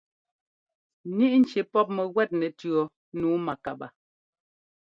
Ŋíʼ nci pɔ́p mɛguɛt nɛtʉ̈ɔ nǔu mákabaa.